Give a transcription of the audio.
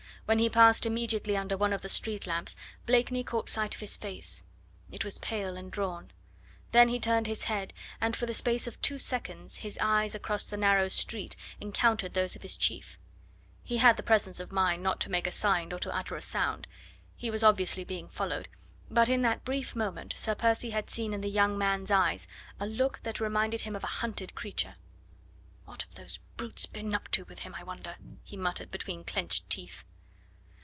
When he passed immediately under one of the street lamps Blakeney caught sight of his face; it was pale and drawn. Then he turned his head, and for the space of two seconds his eyes across the narrow street encountered those of his chief. He had the presence of mind not to make a sign or to utter a sound; he was obviously being followed, but in that brief moment Sir Percy had seen in the young man's eyes a look that reminded him of a hunted creature. "What have those brutes been up to with him, I wonder?" he muttered between clenched teeth.